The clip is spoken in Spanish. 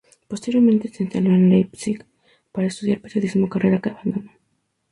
Posteriormente se instaló en Leipzig para estudiar periodismo, carrera que abandonó.